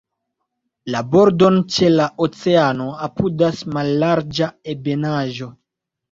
La bordon ĉe la oceano apudas mallarĝa ebenaĵo.